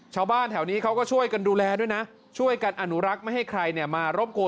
ชาวบ้านแถวนี้เขาก็ช่วยกันดูแลด้วยนะช่วยกันอนุรักษ์ไม่ให้ใครเนี่ยมารบกวน